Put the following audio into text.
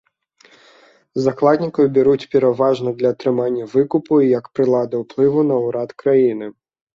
Закладнікаў бяруць пераважна для атрымання выкупу і як прылада ўплыву на ўрад краіны.